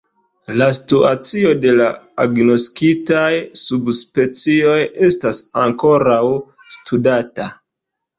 La situacio de la agnoskitaj subspecioj estas ankoraŭ studata.